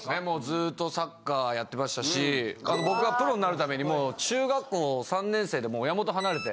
ずっとサッカーやってましたし僕がプロになるためにも中学校３年生で親元離れて。